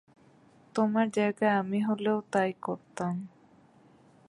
তোমার জায়গায় আমি হলেও তাই করতাম।